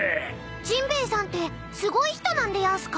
［ジンベエさんってすごい人なんでやんすか？］